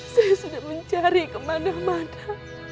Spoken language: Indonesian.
saya sudah mencari kemana mana